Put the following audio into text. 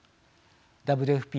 ＷＦＰ